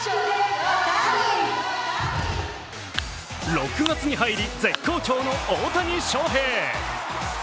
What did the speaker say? ６月に入り絶好調の大谷翔平。